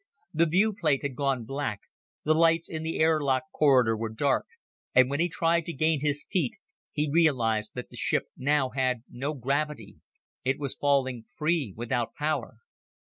The viewplate had gone black, the lights in the air lock corridor were dark, and when he tried to gain his feet he realized that the ship now had no gravity; it was falling free without power.